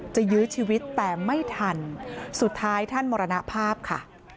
ยื้อชีวิตแต่ไม่ทันสุดท้ายท่านมรณภาพค่ะ